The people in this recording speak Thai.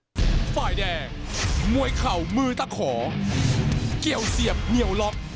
ลุกฟาดล้างผ่านไม่มีถอย